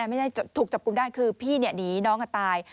ไม่ได้ถูกจับกลุ่มได้คือพี่หนีน้องตาย